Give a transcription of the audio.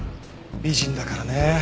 美人だからね。